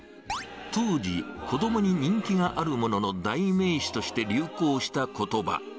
当時、子どもに人気があるものの代名詞として流行したことば。